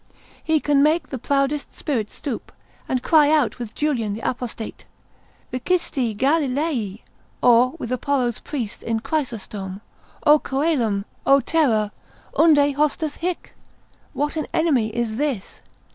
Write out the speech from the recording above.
He can make the proudest spirits stoop, and cry out with Julian the Apostate, Vicisti Galilaee: or with Apollo's priest in Chrysostom, O coelum! o terra! unde hostis hic? What an enemy is this?